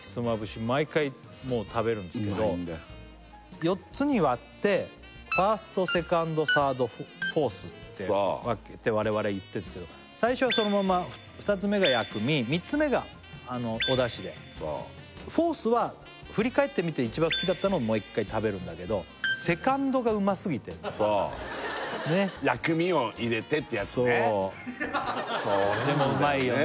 うまいんだよ４つに割ってファーストセカンドサードフォースって分けて我々は言ってるんですけど最初はそのまま２つ目が薬味３つ目がお出汁でフォースは振り返ってみて一番好きだったのをもう１回食べるんだけどセカンドがそう薬味を入れてってやつねねっそうでもうまいよね